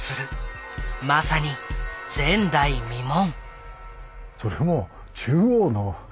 まさに前代未聞。